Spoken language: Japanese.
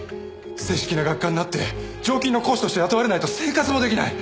正式な学科になって常勤の講師として雇われないと生活も出来ない。